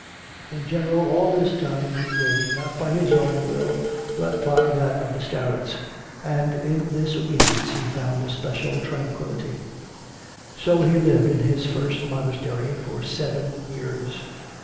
In general all this time he lived not by his own will but by that of the starets, and in this obedience he found a special tranquillity. So he lived in his first monastery for seven years.